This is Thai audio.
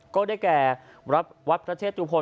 ก็ได้แก่วัดพระเชตุพล